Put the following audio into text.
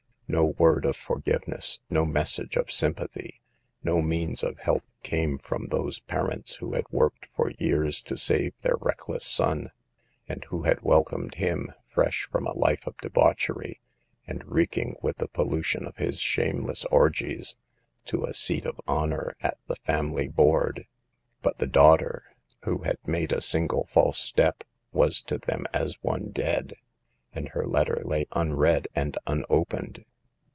No word of forgiveness, no message of sympathy, no means of help came from those parents, who had worked for years to save their reck less son, and who had welcomed him, fresh from a life of debauchery, and reeking with the pollution of his shameless orgies, to a seat of honor at the family board. But the daugh ter, who had made a single false step, was to them as one dead ; and her letter lay unread and unopened.